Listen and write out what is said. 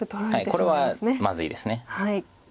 これはまずいです。